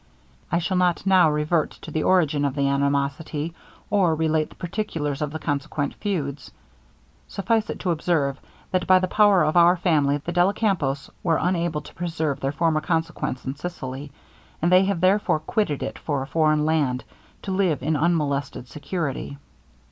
I shall not now revert to the origin of the animosity, or relate the particulars of the consequent feuds suffice it to observe, that by the power of our family, the della Campos were unable to preserve their former consequence in Sicily, and they have therefore quitted it for a foreign land to live in unmolested security.